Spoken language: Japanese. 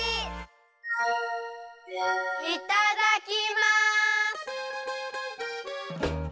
いただきます！